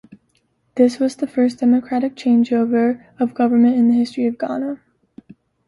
This was the first democratic changeover of government in the history of Ghana.